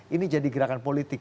ini jadi gerakan politik